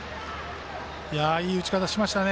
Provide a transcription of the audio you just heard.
いい打ち方しましたね。